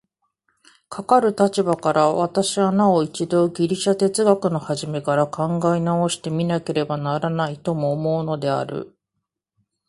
かかる立場から、私はなお一度ギリシヤ哲学の始から考え直して見なければならないとも思うのである。